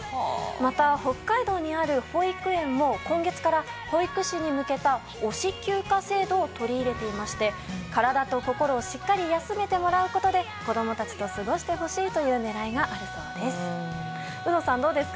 また、北海道にある保育園も今月から保育士に向けた推し休暇制度を取り入れていまして、体と心をしっかり休めてもらうことで子供たちと過ごしてほしいという狙いがあるようです。